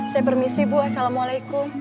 saya permisi bu assalamualaikum